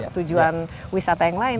tujuan wisata yang lain